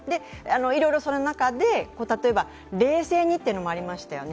いろいろその中で、例えば「冷静に」というのもありましたよね。